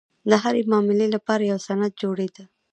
د هرې معاملې لپاره یو سند جوړېده.